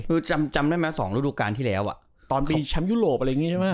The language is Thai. คือจำได้ไหม๒ฤดูการที่แล้วตอนไปแชมป์ยุโรปอะไรอย่างนี้ใช่ไหม